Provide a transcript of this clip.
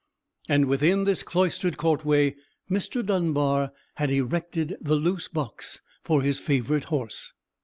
And within this cloistered courtway Mr. Dunbar had erected the loose box for his favourite horse.